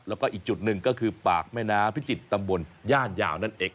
แล้วก็อีกจุดหนึ่งก็คือปากแม่น้ำพิจิตรตำบลย่านยาวนั่นเอง